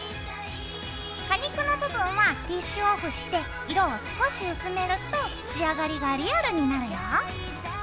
果肉の部分はティッシュオフして色を少し薄めると仕上がりがリアルになるよ。